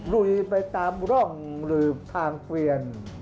ลุยไปตามร่องลืมทางเกวียน